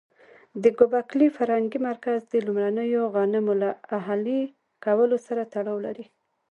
د ګوبک لي فرهنګي مرکز د لومړنیو غنمو له اهلي کولو سره تړاو لري.